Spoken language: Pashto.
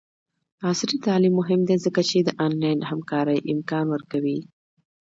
عصري تعلیم مهم دی ځکه چې د آنلاین همکارۍ امکان ورکوي.